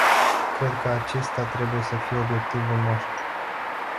Cred că acesta trebuie să fie obiectivul nostru.